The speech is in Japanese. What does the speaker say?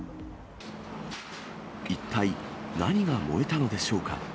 一体何が燃えたのでしょうか。